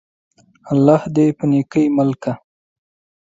الله دي په نيکۍ مل که!